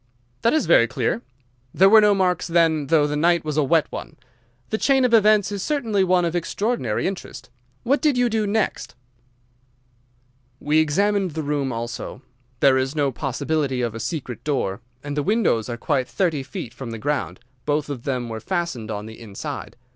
"That is very clear. There were no marks, then, though the night was a wet one? The chain of events is certainly one of extraordinary interest. What did you do next? "We examined the room also. There is no possibility of a secret door, and the windows are quite thirty feet from the ground. Both of them were fastened on the inside.